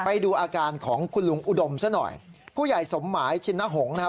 ไปดูอาการของคุณลุงอุดมซะหน่อยผู้ใหญ่สมหมายชินหงษ์นะครับ